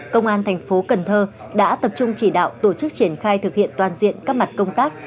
công an thành phố cần thơ đã tập trung chỉ đạo tổ chức triển khai thực hiện toàn diện các mặt công tác